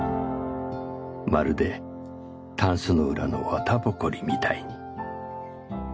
まるでタンスの裏の綿ぼこりみたいに。